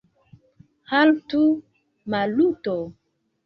Haltu, Maluto!